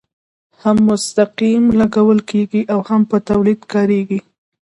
هم مستقیم لګول کیږي او هم په تولید کې کاریږي.